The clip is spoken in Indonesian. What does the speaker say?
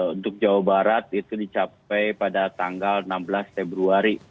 untuk jawa barat itu dicapai pada tanggal enam belas februari